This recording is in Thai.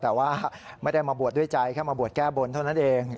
แต่ว่าไม่ได้มาบวชด้วยใจแค่มาบวชแก้บนเท่านั้นเอง